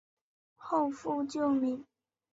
后复旧名。